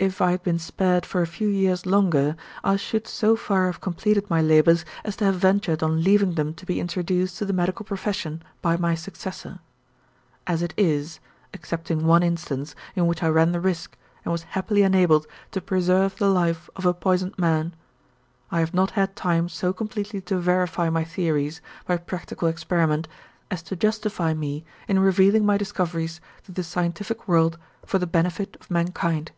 "'If I had been spared for a few years longer, I should so far have completed my labors as to have ventured on leaving them to be introduced to the medical profession by my successor. As it is excepting one instance, in which I ran the risk, and was happily enabled to preserve the life of a poisoned man I have not had time so completely to verify my theories, by practical experiment, as to justify me in revealing my discoveries to the scientific world for the benefit of mankind.